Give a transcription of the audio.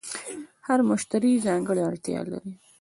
هر مشتری ځانګړې اړتیا لري.